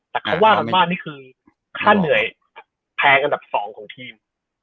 แต่เขาว่ากันว่านี่คือค่าเหนื่อยแพงอันดับ๒ของทีม